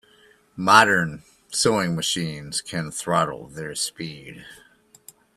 Modern sewing machines can throttle their speed.